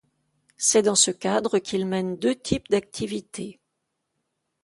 C’est dans ce cadre qu’il mène deux types d’activités.